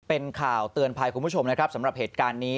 เป็นข่าวเตือนภัยคุณผู้ชมนะครับสำหรับเหตุการณ์นี้